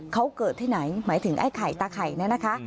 เขาเกิดที่ไหนหมายถึงไอ้ไข่ตาไข่เนี่ยนะคะ